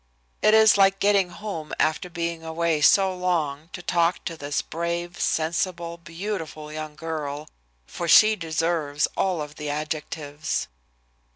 It is like getting home after being away so long to talk to this brave, sensible, beautiful young girl for she deserves all of the adjectives."